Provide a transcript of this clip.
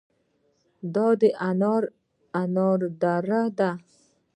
د انار دره انار لري